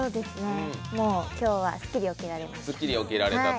もう今日はすっきり起きられました。